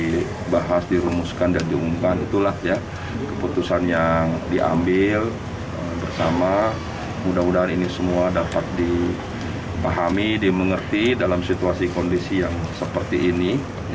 dibahas dirumuskan dan diumumkan itulah ya keputusan yang diambil bersama mudah mudahan ini semua dapat dipahami dimengerti dalam situasi kondisi yang seperti ini